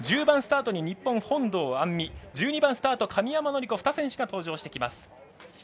１０番スタートに日本の本堂杏実１２番スタート、神山則子２選手が登場します。